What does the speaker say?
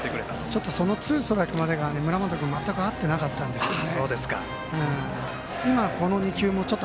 ちょっとそのツーストライクまでが村本君全くあってなかったんですよね。